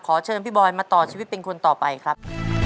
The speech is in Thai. เชิญพี่บอยมาต่อชีวิตเป็นคนต่อไปครับ